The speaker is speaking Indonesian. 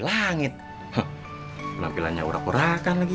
langit penampilannya urag urakan lagi